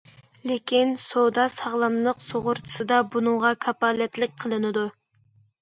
لېكىن سودا ساغلاملىق سۇغۇرتىسىدا بۇنىڭغا كاپالەتلىك قىلىنىدۇ.